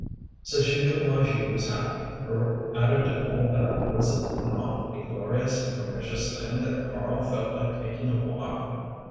So she knew why she was happy, for added to all that was it not a glorious and propitious thing that Karl felt like taking a walk?